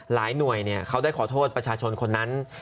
หลายหน่วยเนี่ยเขาได้ขอโทษประชาชนคนนั้น